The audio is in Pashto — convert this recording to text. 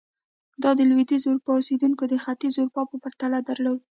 دا د لوېدیځې اروپا اوسېدونکو د ختیځې اروپا په پرتله درلود.